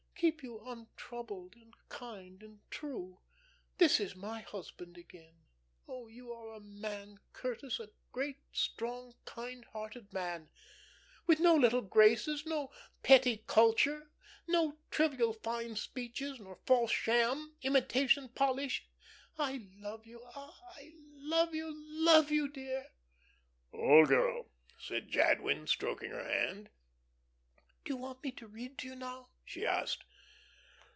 "Keep you untroubled, and kind, and true. This is my husband again. Oh, you are a man, Curtis; a great, strong, kind hearted man, with no little graces, nor petty culture, nor trivial fine speeches, nor false sham, imitation polish. I love you. Ah, I love you, love you, dear!" "Old girl!" said Jadwin, stroking her hand. "Do you want me to read to you now?" she asked.